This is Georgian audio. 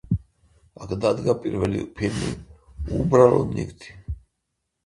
აქ დადგა პირველი ფილმი „უბრალო ნივთი“.